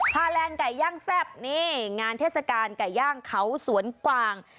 แลนด์ไก่ย่างแซ่บนี่งานเทศกาลไก่ย่างเขาสวนกวาง